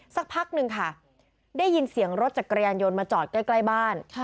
สักพักหนึ่งค่ะได้ยินเสียงรถจักรยานยนต์มาจอดใกล้บ้าน